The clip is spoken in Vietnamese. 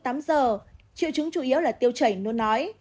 triệu chứng chủ yếu là tiêu chảy nó nói